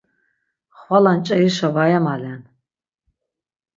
Xvala nç̌erişa var emalen.